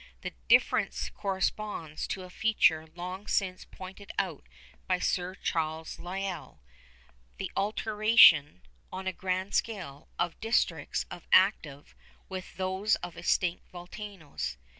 The difference corresponds to a feature long since pointed out by Sir Charles Lyell,—the alternation, on a grand scale, of districts of active with those of extinct volcanoes.